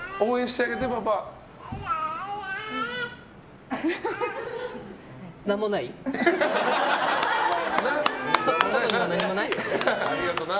ありがとな。